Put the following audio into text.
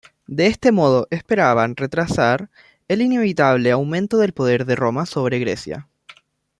De este modo esperaban retrasar el inevitable aumento del poder de Roma sobre Grecia.